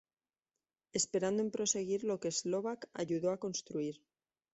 Esperando en proseguir lo que Slovak "ayudó a construir".